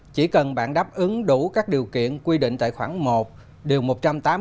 chỉ cần bạn đáp ứng đủ các điều kiện quy định tài khoản một điều một trăm tám mươi tám luật đất đai năm hai nghìn một mươi ba